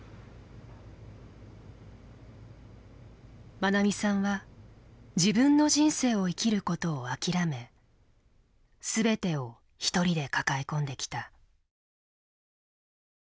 まなみさんは自分の人生を生きることを諦め全てを一人で抱え込んできた。